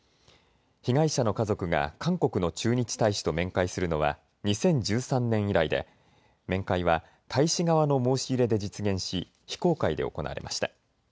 被害者の家族が韓国の駐日大使と面会するのは２０１３年以来で面会は大使側の申し入れで実現し非公開で行われました。